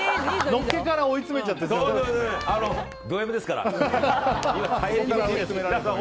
のっけから追い詰めちゃってすみません。